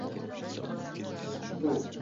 Bu bejiz emas, albatta.